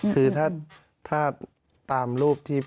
คือถ้าตามรูปที่